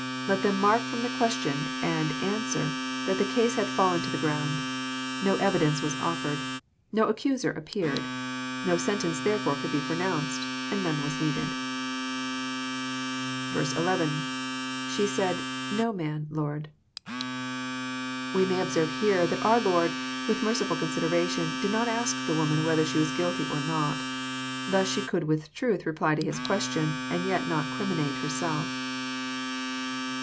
Let them mark from the question and answer that the case had fallen to the ground. No evidence was offered. No accuser appeared. No sentence therefore could be pronounced, and none was needed. 11.— [She said. No man. Lord.] We may observe here that our Lord, with merciful consideration, did not ask the woman whether she was guilty or not. Thus she could with truth re ply to His question, and yet not criminate herself.